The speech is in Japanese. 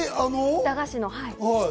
駄菓子の。